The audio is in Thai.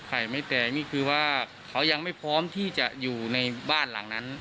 ไข่ไม่แตกนี่คือว่าเขายังไม่พร้อมที่จะอยู่ในบ้านหลังนั้น